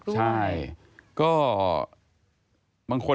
เจอสามตัวค่ะว่านั้น